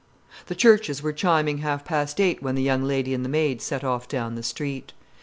The churches were chiming half past eight when the young lady and the maid set off down the street.